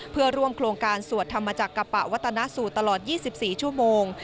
เพื่อร่วมโครงการสวดธรรมจักรปะวัตนสูตรตลอด๒๔ชั่วโมง